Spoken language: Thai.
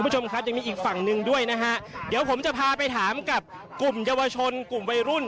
เหลียวผมจะพาไปถามกับกลุ่มเยาวชนกลุ่มวัยรุ่น